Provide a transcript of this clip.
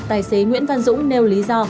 tài xế nguyễn văn dũng nêu lý do